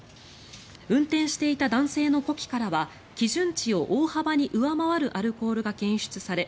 運転していた男性の呼気からは基準値を大幅に上回るアルコールが検出され